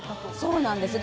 そうなんです。